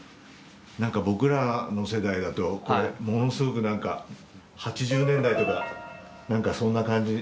なんか僕らの世代だとこれ、ものすごくなんか８０年代とか、なんかそんな感じ。